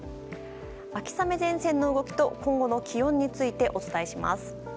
秋雨前線の動きと今後の気温についてお伝えします。